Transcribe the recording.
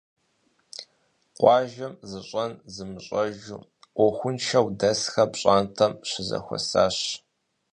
Къуажэм зыщӀэн зымыщӀэжу, Ӏуэхуншэу дэсхэр пщӀантӀэм щызэхуэсащ.